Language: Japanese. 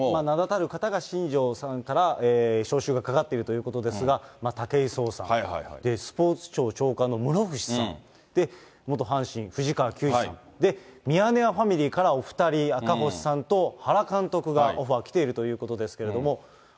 名だたる方が新庄さんから招集がかかっているということですが、武井壮さん、スポーツ庁長官の室伏さん、元阪神、藤川球児さん、ミヤネ屋ファミリーからお２人、赤星さんと原監督がオファー来ているということですけれども。